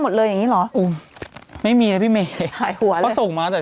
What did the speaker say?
หมดเลยอย่างงี้หรออุ้มไม่มีนะพี่เมย์หายหัวเลยเขาส่งมาแต่